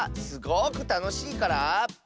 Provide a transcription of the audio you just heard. すごくたのしいから。